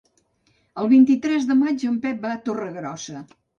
El vint-i-tres de maig en Pep va a Torregrossa.